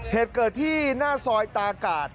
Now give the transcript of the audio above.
เหตุเกิดที่หน้าซอยตากาศ